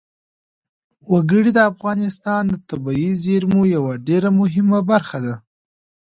وګړي د افغانستان د طبیعي زیرمو یوه ډېره مهمه برخه ده.